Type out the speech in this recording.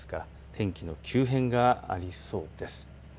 天気の急変がありそうです。